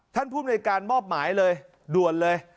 ท่านผู้บริการมอบหมายเลยด่วนเลย